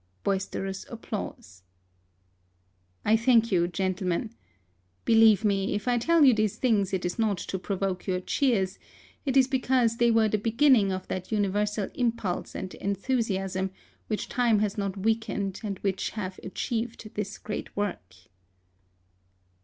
(Boisterous applause.) I thank you, gentlemen. Believe me, if I tell you these things it is not to provoke your cheers; it is because they were the beginning of that universal impulse and enthusiasm which time has not weakened, and which have achieved this great work.